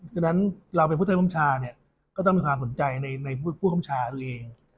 ฉะนั้นเราเป็นผู้ใต้บัญชาเนี่ยก็ต้องมีความสนใจในผู้คำชาเอง